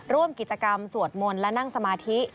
ร่วมกิจกรรมสวดมนต์และนั่งสมาธิ